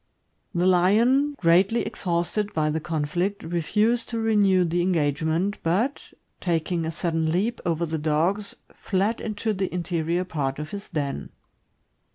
The lion, greatly exhausted by the conflict, refused to renew the engagement, but, taking a sudden leap over the dogs, fled into the interior part of his den.